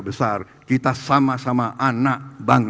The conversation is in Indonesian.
selalu ada yang pandang